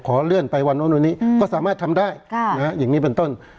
ขอเลื่อนไปวันนู้นวันนี้ก็สามารถทำได้อย่างนี้เป็นต้น